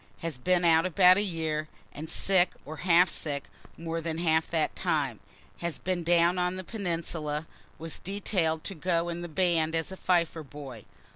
has been out about a year, and sick or half sick more than half that time has been down on the peninsula was detail'd to go in the band as fifer boy.